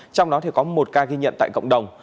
trong đó thì có một ca ghi nhận tại cộng đồng